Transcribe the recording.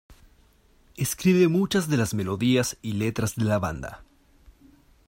Escribe muchas de las melodías y letras de la banda.